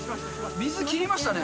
水切りましたね。